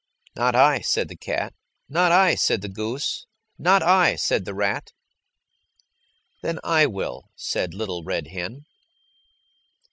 "Not I," said the cat. "Not I," said the goose. "Not I," said the rat. "Then I will," said Little Red Hen.